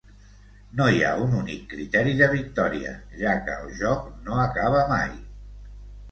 No hi ha un únic criteri de victòria, ja que el joc no acaba mai.